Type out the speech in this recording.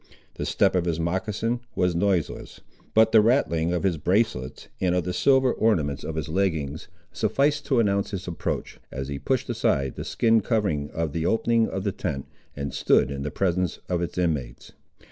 The step of his moccasin was noiseless, but the rattling of his bracelets, and of the silver ornaments of his leggings, sufficed to announce his approach, as he pushed aside the skin covering of the opening of the tent, and stood in the presence of its inmates.